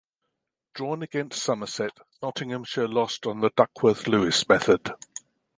Drawn against Somerset, Notts lost on the Duckworth Lewis method.